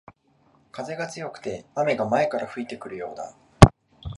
風が強くて雨が前から吹いてくるようだ